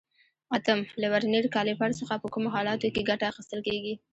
اتم: له ورنیر کالیپر څخه په کومو حالاتو کې ګټه اخیستل کېږي؟